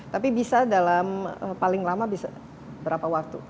tapi bisa dalam paling lama bisa berapa waktu